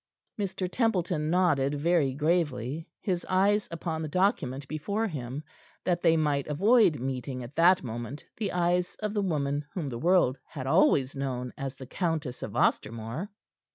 Mr. Templeton nodded very gravely, his eyes upon the document before him, that they might avoid meeting at that moment the eyes of the woman whom the world had always known as the Countess of Ostermore.